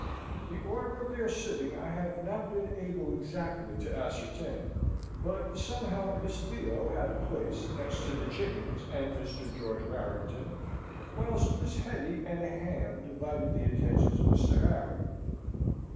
The order of their sitting I have not been able exactly to ascertain; but, somehow, Miss Theo had a place next to the chickens and Mr. George Warrington, whilst Miss Hetty and a ham divided the attentions of Mr. Harry.